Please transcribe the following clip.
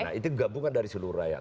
nah itu gabungan dari seluruh rakyat